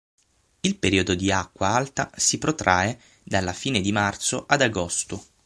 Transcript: Il periodo di acqua alta si protrae dalla fine di marzo ad agosto.